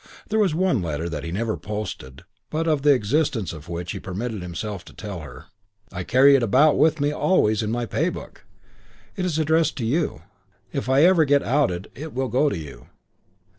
There was one letter that he never posted but of the existence of which he permitted himself to tell her. "I carry it about with me always in my Pay book. It is addressed to you. If ever I get outed it will go to you.